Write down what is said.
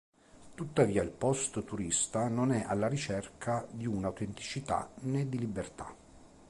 Tuttavia, il post turista non è alla ricerca di autenticità né di libertà.